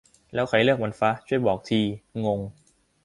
แล้วใครเลือกมันฟะ ? ช่วยบอกทีงง